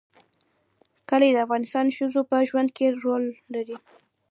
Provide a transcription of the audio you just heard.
کلي د افغان ښځو په ژوند کې رول لري.